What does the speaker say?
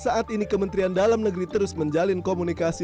saat ini kementerian dalam negeri terus menjalin komunikasi